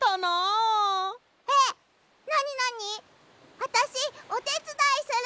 あたしおてつだいする。